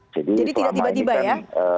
jadi tidak tiba tiba ya